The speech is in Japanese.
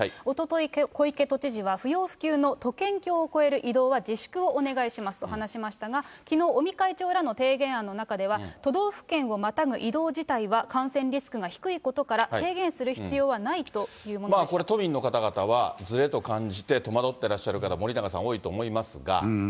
おととい、小池都知事は、不要不急の都県境を越える移動は自粛をお願いしますと話しましたが、きのう、尾身会長らの提言案の中では、都道府県をまたぐ移動自体は、感染リスクが低いことから、制限すこれ、都民の方々は、ずれと感じて、戸惑ってらっしゃる方、森永さん、多いと思いますが。